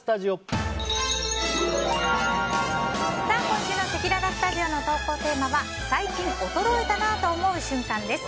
今週のせきららスタジオの投稿テーマは最近衰えたなぁと思う瞬間です。